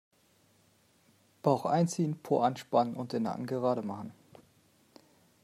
Bauch einziehen, Po anspannen und den Nacken gerade machen.